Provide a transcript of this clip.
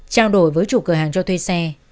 trang đổi với chủ cửa hàng cho thuê xe